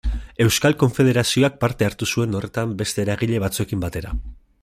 Euskal Konfederazioak parte hartu zuen horretan beste eragile batzuekin batera.